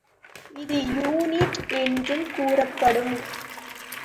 இது யூனிட் என்றும் கூறப்படும்.